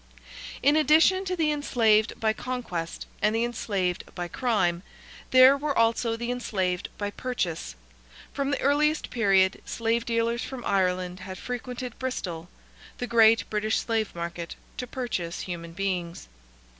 In addition to the enslaved by conquest and the enslaved by crime, there were also the enslaved by purchase. From the earliest period, slave dealers from Ireland had frequented Bristol, the great British slave market, to purchase human beings.